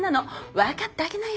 分かってあげなよ。